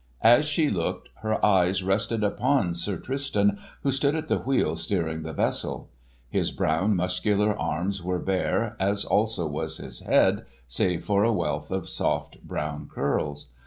As she looked, her eyes rested upon Sir Tristan who stood at the wheel steering the vessel. His brown muscular arms were bare, as also was his head save for a wealth of soft brown curls.